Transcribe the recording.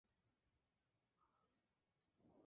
Sin embargo, el caso había sido clasificado sin seguimiento.